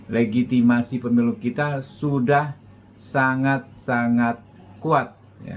legitimasi pemilu kita sudah sangat sangat kuat